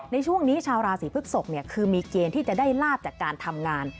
ในช่วงนี้ชาวราศีพฤกษกคือมีเกณฑ์ที่จะได้ลาบจากการทำงาน